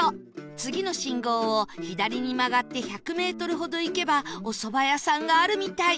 次の信号を左に曲がって１００メートルほど行けばおそば屋さんがあるみたい